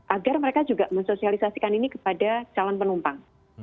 agar mereka juga mensosialisasikan ini kepada calon penumpang